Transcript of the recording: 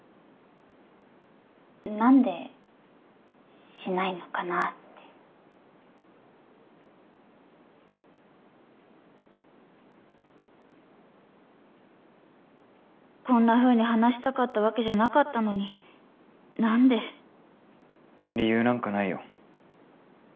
何でシないのかなってこんなふうに話したかったわけじゃなかったのに何で理由なんかないよ